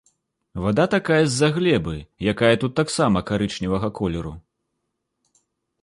Вада такая з-за глебы, якая тут таксама карычневага колеру.